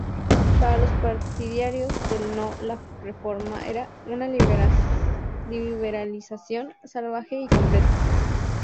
Para los partidarios del no la reforma era "una liberalización salvaje y completa".